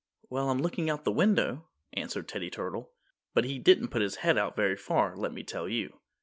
"Well, I'm looking out of the window," answered Teddy Turtle. But he didn't put his head out very far, let me tell you.